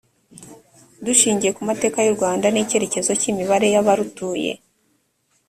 dushingiye ku amateka y u rwanda n icyerekezo cy imibanire y abarutuye